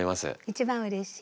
一番うれしい。